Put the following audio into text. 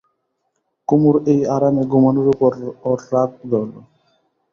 কুমুর এই আরামে ঘুমোনোর উপর ওর রাগ ধরল।